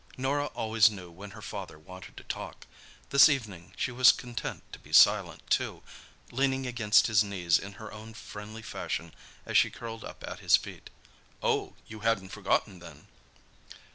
Norah always knew when her father wanted to talk. This evening she was content to be silent, too, leaning against his knee in her own friendly fashion as she curled up at his feet. "Oh, you hadn't forgotten, then?"